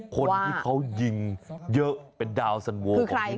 คนที่เขายิงเยอะเป็นดาวสันโวของญี่ปุ่น